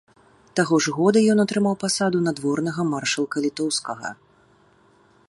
Таго ж года ён атрымаў пасаду надворнага маршалка літоўскага.